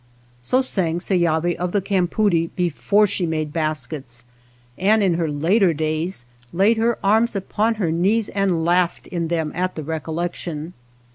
So sang Seyavi of the campoodie before she made baskets, and in her later days laid her arms upon her knees and laughed in them at the recollection.